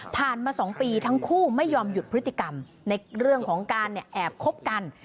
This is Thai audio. มา๒ปีทั้งคู่ไม่ยอมหยุดพฤติกรรมในเรื่องของการแอบคบกัน